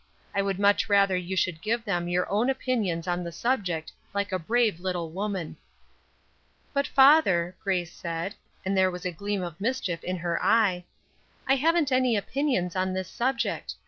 I would much rather that you should give them your own opinions on the subject like a brave little woman." "But father," Grace said, and there was a gleam of mischief in her eye, "I haven't any opinions on this subject.